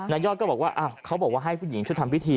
ยอดก็บอกว่าเขาบอกว่าให้ผู้หญิงช่วยทำพิธี